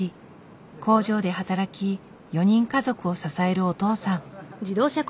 工場で働き４人家族を支えるお父さん。